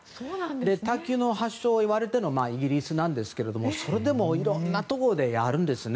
卓球の発祥をいわれてるのはイギリスなんですけどそれでもいろんなところでやるんですね。